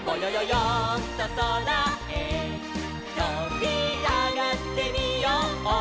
よんとそらへとびあがってみよう」